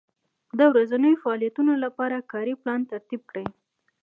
د ورځنیو فعالیتونو لپاره کاري پلان ترتیب کړئ.